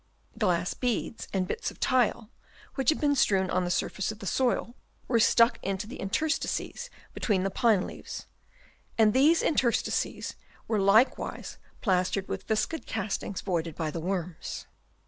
Glass beads and bits of tile, which had been strewed on the surface of the soil, were stuck into the inter stices between the pine leaves ; and these interstices were likewise plastered with the Chap. II. CONSTRUCTION OF THEIR BURROWS. 115 viscid castings voided by the worms.